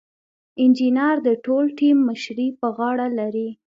انجینر د ټول ټیم مشري په غاړه لري.